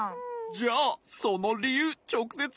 じゃあそのりゆうちょくせつ